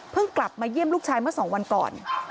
กลับมาเยี่ยมลูกชายเมื่อ๒วันก่อน